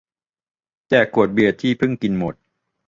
แจกขวดเบียร์ที่เพิ่งกินหมด